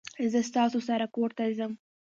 زه ستاسو سره کورته ځم